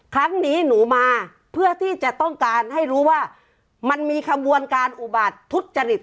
ครั้งนี้หนูมาเพื่อที่จะต้องการให้รู้ว่ามันมีขบวนการอุบัติทุจริต